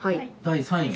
第３位。